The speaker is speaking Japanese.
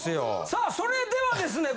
さあそれではですね